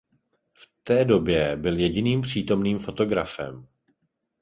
V té době byl jediným přítomným fotografem.